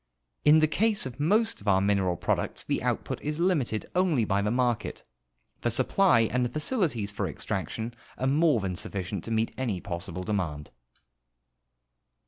In the case of most of our mineral products the output is limited only by the market. The supply and the facilities for extraction are more than sufficient to meet any l^ossible demand.